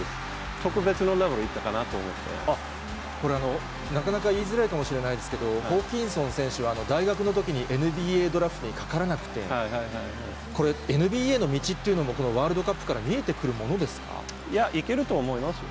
特別のレベル、これ、なかなか言いづらいかもしれないですけど、ホーキンソン選手は大学のときにＮＢＡドラフトにかからなくて、これ、ＮＢＡの道っていうのも、このワールドカップから見えてくいや、いけると思いますよ。